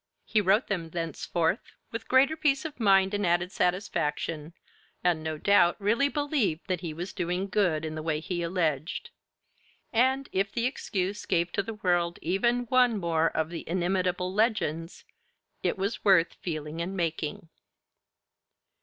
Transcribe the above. He wrote them thenceforth with greater peace of mind and added satisfaction, and no doubt really believed that he was doing good in the way he alleged. And if the excuse gave to the world even one more of the inimitable 'Legends,' it was worth feeling and making.